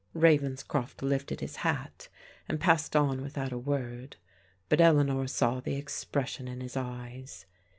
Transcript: Ravenscroft lifted his hat and passed on without a word, but Eleanor saw the expression in his eyes.